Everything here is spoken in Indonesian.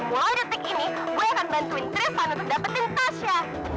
dan mulai detik ini saya akan membantu tristan untuk mendapatkan tasya